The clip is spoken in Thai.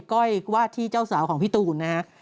ก้อยวาดที่เจ้าสาวของพี่ตูนนะฮะ